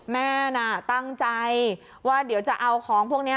แม่น่ะตั้งใจว่าเดี๋ยวจะเอาของพวกนี้